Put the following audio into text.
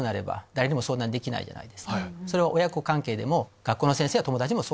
それは親子関係でも学校の先生や友達でもそうです。